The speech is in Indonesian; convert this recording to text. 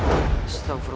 dan menangkap kake guru